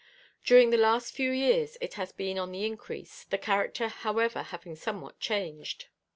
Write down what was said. During the last few years it has been on the increase, the character however having somewhat changed.